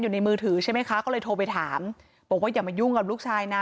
อยู่ในมือถือใช่ไหมคะก็เลยโทรไปถามบอกว่าอย่ามายุ่งกับลูกชายนะ